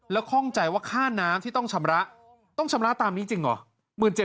แล้วความคิดว่าค่าน้ำที่ต้องชำระตามนี้จริงหรอ